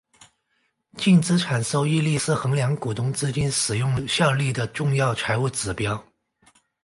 净资产收益率是衡量股东资金使用效率的重要财务指标。